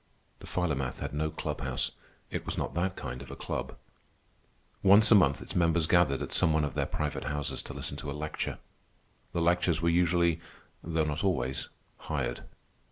The Philomath had no club house. It was not that kind of a club. Once a month its members gathered at some one of their private houses to listen to a lecture. The lecturers were usually, though not always, hired.